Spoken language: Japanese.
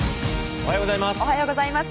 おはようございます。